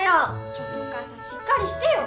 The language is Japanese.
ちょっとお母さんしっかりしてよ！